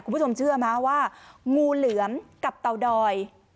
คุณผู้ชมเชื่อไหมว่างูเหลือมกับเตาดอย